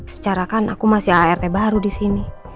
secara kan aku masih art baru disini